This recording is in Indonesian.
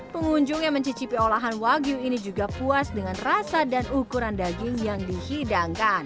pengunjung yang mencicipi olahan wagyu ini juga puas dengan rasa dan ukuran daging yang dihidangkan